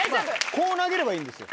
こう投げればいいんですよ。